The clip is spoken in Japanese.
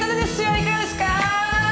いかがですか！